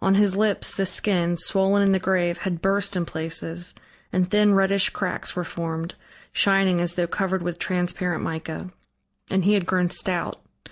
On his lips the skin, swollen in the grave, had burst in places, and thin, reddish cracks were formed, shining as though covered with transparent mica. And he had grown stout.